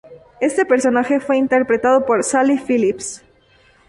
Este personaje fue interpretado por Sally Phillips.